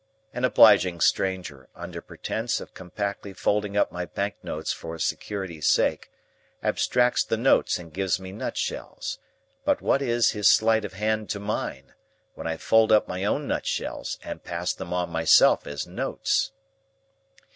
An obliging stranger, under pretence of compactly folding up my bank notes for security's sake, abstracts the notes and gives me nutshells; but what is his sleight of hand to mine, when I fold up my own nutshells and pass them on myself as notes!